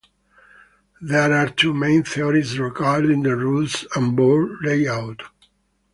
There are two main theories regarding the rules and board layout.